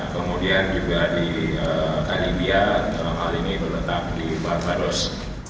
kemudian juga di kalimantan hal ini berletak di barbados